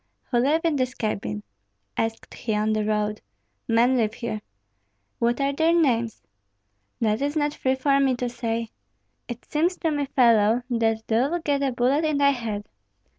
"Who live in this cabin?" asked he on the road. "Men live here." "What are their names?" "That is not free for me to say." "It seems to me, fellow, that thou'lt get a bullet in thy head."